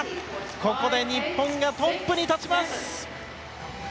ここで日本がトップに立ちます！